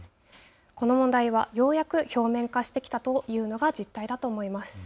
この問題はようやく表面化してきたということが実態だと思います。